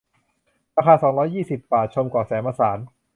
ราคา สองร้อยยี่สิบ บาท ชมเกาะแสมสาร